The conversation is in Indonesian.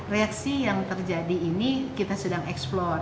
reaksi yang terjadi ini kita sedang eksplor